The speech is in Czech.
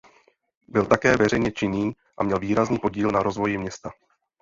Byl také veřejně činný a měl výrazný podíl na rozvoji města.